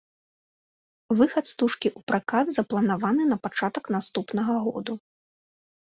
Выхад стужкі ў пракат запланаваны на пачатак наступнага году.